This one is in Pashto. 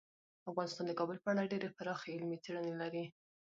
افغانستان د کابل په اړه ډیرې پراخې علمي څېړنې لري.